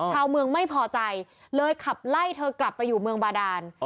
ชาวเมืองไม่พอใจเลยขับไล่เธอกลับไปอยู่เมืองบาดาน